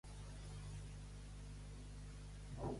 Però que torne.